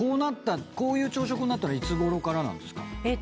こういう朝食になったのはいつごろからなんですか？